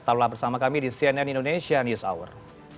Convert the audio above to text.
taulah bersama kami di cnn indonesia news hour